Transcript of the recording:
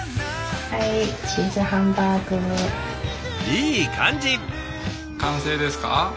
いい感じ！